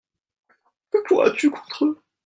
Que pourras-tu contre eux ?…